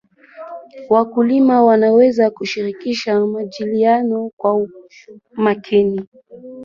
wakulima wanaweza kushirikisha majadiliano kwa umakini